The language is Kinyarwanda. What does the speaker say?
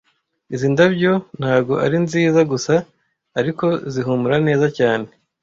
Izi ndabyo ntago ari nziza gusa, ariko zihumura neza cyane